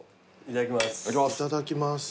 いただきます。